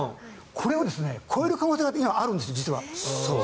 これを超える可能性があるんです実は。